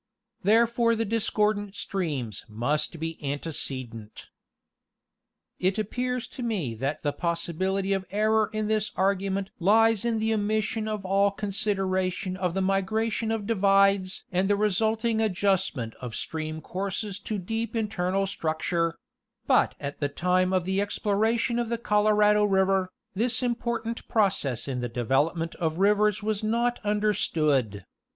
Therefore the discordant streams must be antecedent. It appears to me that the possibility of error in this argument lies in the omission of all consideration of the migration of divides and the resulting adjustment of stream courses to deep internal structure ; but at the time of the exploration of the Colorado river, this important process in the development of rivers was not understood.